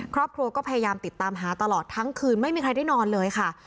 ครอบครัวก็พยายามติดตามหาตลอดทั้งคืนไม่มีใครได้นอนเลยค่ะ